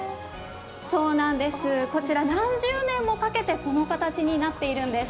こちら、何十年もかけてこの形になっているんです。